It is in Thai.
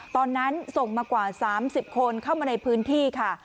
ส่งมากว่า๓๐คนเข้ามาในพื้นที่ค่ะ